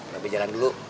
mbak be jalan dulu